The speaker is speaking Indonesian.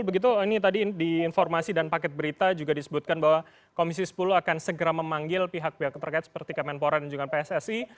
begitu ini tadi di informasi dan paket berita juga disebutkan bahwa komisi sepuluh akan segera memanggil pihak pihak terkait seperti kemenpora dan juga pssi